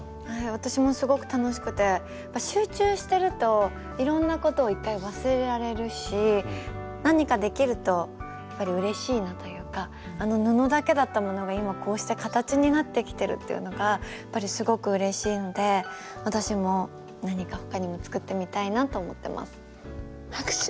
私もすごく楽しくて集中してるといろんなことを１回忘れられるし何かできるとやっぱりうれしいなというかあの布だけだったものが今こうして形になってきてるというのがやっぱりすごくうれしいので私も何か他にも作ってみたいなと思ってます。